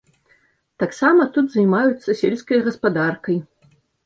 Таксама тут займаюцца сельскай гаспадаркай.